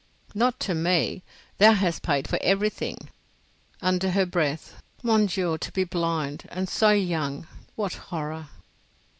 "Not to me. Thou hast paid for everything." Under her breath, "Mon Dieu, to be blind and so young! What horror!"